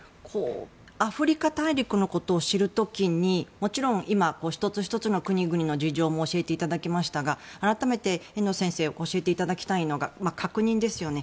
アフリカ大陸のことを知る時にもちろん今１つ１つの国々の事情も教えていただきましたが改めて、遠藤先生に教えていただきたいのが確認ですよね。